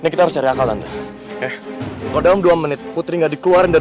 kita harus cari akal tante kalau dalam dua menit putri gak dikeluarin dari